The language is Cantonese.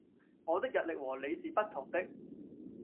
我的日曆和你是不同的！